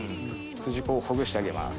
筋子をほぐしてあげます。